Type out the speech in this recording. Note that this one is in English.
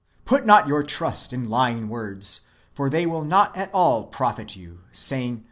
Put not your trust in lying words, for they will not at all profit you, saying.